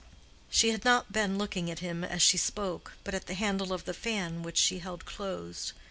She had not been looking at him as she spoke, but at the handle of the fan which she held closed.